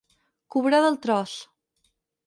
Cobrar del tros.